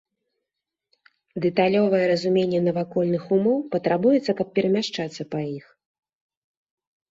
Дэталёвае разуменне навакольных умоў патрабуецца, каб перамяшчацца па іх.